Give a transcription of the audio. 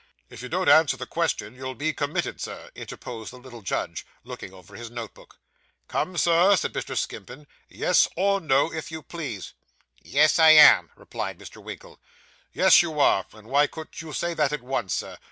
If you don't answer the question, you'll be committed, Sir,' interposed the little judge, looking over his note book. 'Come, Sir,' said Mr. Skimpin, 'yes or no, if you please.' 'Yes, I am,' replied Mr. Winkle. 'Yes, you are. And why couldn't you say that at once, Sir?